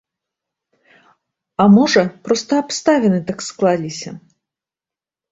А можа, проста абставіны так склаліся.